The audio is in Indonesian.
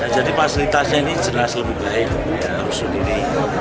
jadi fasilitasnya ini jelas lebih baik rusun ini